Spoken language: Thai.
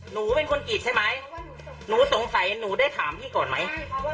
หนูเป็นคนกรีดใช่ไหมหนูสงสัยหนูได้ถามพี่ก่อนไหม